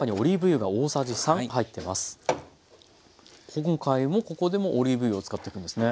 今回もここでもオリーブ油を使っていくんですね。